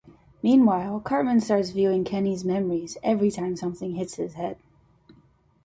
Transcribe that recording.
Meanwhile, Cartman starts viewing Kenny's memories every time something hits his head.